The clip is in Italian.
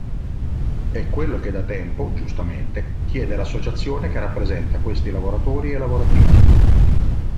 È quello che da tempo, giustamente, chiede l'Associazione che rappresenta questi lavoratori e lavoratrici.